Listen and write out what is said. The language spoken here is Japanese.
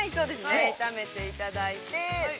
◆炒めていただいて。